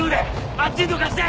あっちにどかして。